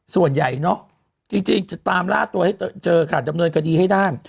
ส่วนใหญ่เนอะจริงจะตามล่าตัวให้เจอค่ะดำเนินคดีให้ได้